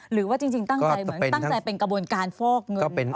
หรือว่าจริงตั้งใจเป็นกระบวนการฟอกเงินออกไปเลย